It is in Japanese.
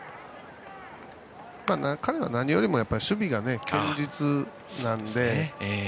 彼は何よりも守備が堅実なので。